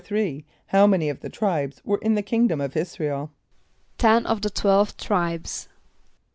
= =3.= How many of the tribes were in the kingdom of [)I][s+]´ra el? =Ten of the twelve tribes.